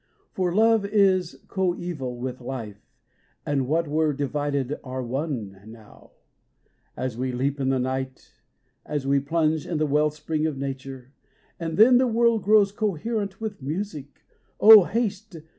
For love is coeval with life and what were divided are one now, As we leap in the night, as we plunge in the well spring of nature, and then The world grows coherent with music Oh, haste